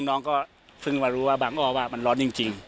น้องก็เพิ่งมารู้ว่าบางอ้อว่ามันร้อนจริง